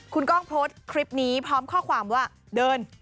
คุณกล้องโพสต์คลิปนี้พร้อมข้อความว่าเดิน